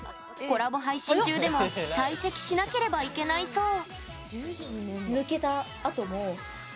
コラボ配信中でも退席しなければいけないそう。